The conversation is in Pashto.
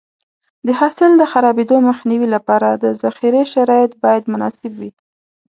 د حاصل د خرابېدو مخنیوي لپاره د ذخیرې شرایط باید مناسب وي.